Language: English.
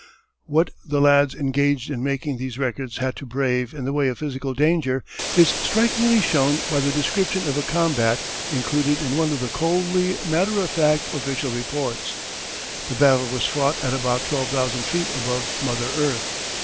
What the lads engaged in making these records had to brave in the way of physical danger is strikingly shown by the description of a combat included in one of the coldly matter of fact official reports. The battle was fought at about twelve thousand feet above mother earth.